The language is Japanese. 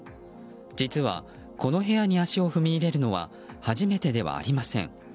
実は、この部屋に足を踏み入れるのは初めてではありません。